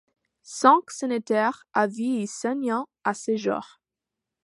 Cinq sénateurs à vie y siègent à ce jour.